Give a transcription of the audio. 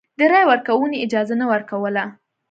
د رایې ورکونې اجازه نه ورکوله.